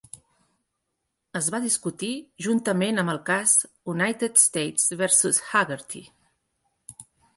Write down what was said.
Es va discutir juntament amb el cas "United States versus Haggerty".